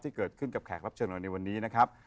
ที่เกิดขึ้นกับแขกรับเชิญเราในวันนี้นะครับ